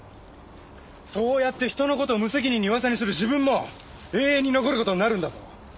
そうやって人の事を無責任に噂にする自分も永遠に残る事になるんだぞ。